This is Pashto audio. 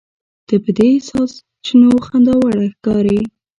ته په دې ساسچنو خنداوړه ښکارې.